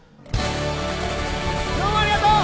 どうもありがとう。